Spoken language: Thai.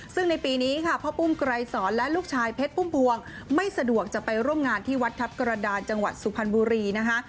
ซึ่งในปีนี้ค่ะพ่อปุ้มไกรสอนและลูกชายเพชรพุ่มพวงไม่สะดวกจะไปร่วมงานที่วัดทัพกระดานจังหวัดสุพรรณบุรีนะคะ